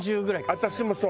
私もそう。